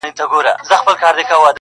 پښېمانه يم په تا باندي باور نه دی په کار